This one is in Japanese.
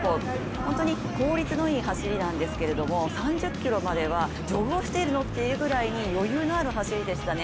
本当に効率のいい走りなんですけど３０ｋｍまではジョグをしているのというぐらい余裕のある走りでしたね。